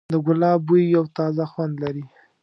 د ګلاب بوی یو تازه خوند لري.